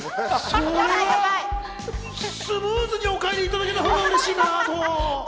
それはスムーズにお帰りいただけたほうがうれしいなぁと。